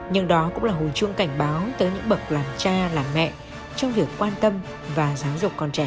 nhưng đó cũng là hồi chuông cảnh báo tới những bậc làm cha làm mẹ trong việc quan tâm và giáo dục con trẻ